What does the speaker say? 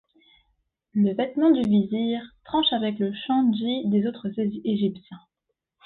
Le vêtement du vizir tranche avec le chendjit des autres égyptiens.